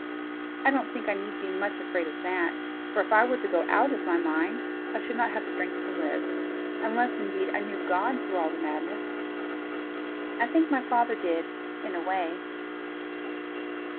I don't think I need be much afraid of that, for if I were to go out of my mind, I should not have strength to live unless indeed I knew God through all the madness. I think my father did in a way."